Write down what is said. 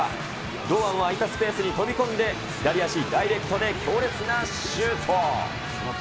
堂安は空いたスペースに飛び込んで、左足ダイレクトで強烈なシュート。